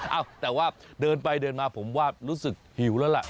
เอ้าแต่ว่าเดินไปเดินมาผมว่ารู้สึกหิวแล้วล่ะ